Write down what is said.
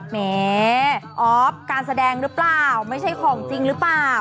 หมอออฟการแสดงหรือเปล่าไม่ใช่ของจริงหรือเปล่า